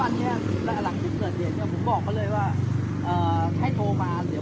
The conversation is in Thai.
ตอนนี้กำหนังไปคุยของผู้สาวว่ามีคนละตบ